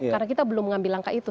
karena kita belum mengambil langkah itu